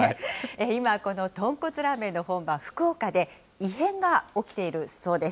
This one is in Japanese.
今、この豚骨ラーメンの本場、福岡で異変が起きているそうです。